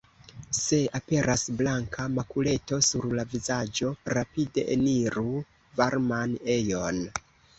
Se aperas blanka makuleto sur la vizaĝo, rapide eniru varman ejon.